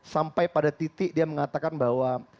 sampai pada titik dia mengatakan bahwa